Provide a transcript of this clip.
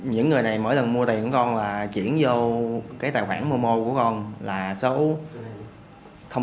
những người này mỗi lần mua tiền của con là chuyển vô cái tài khoản mô mô của con là số chín không sáu bốn năm năm năm chín một